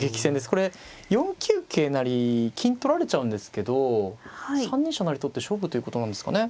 これ４九桂成金取られちゃうんですけど３二飛車成取って勝負ということなんですかね。